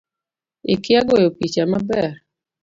Ikia goyo picha maber